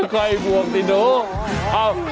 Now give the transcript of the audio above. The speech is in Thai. ค่อยบวกสิหนู